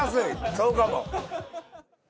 そうかも。